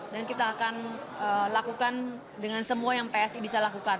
dan kita akan lakukan dengan semua yang psi bisa lakukan